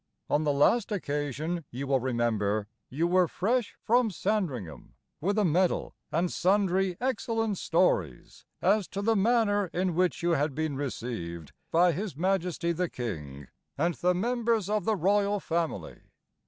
On the last occasion, you will remember, You were fresh from Sandringham, With a medal and sundry excellent stories As to the manner in which you had been received By His Majesty the King And the Members of the Royal Family.